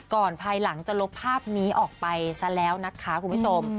ภายหลังจะลบภาพนี้ออกไปซะแล้วนะคะคุณผู้ชม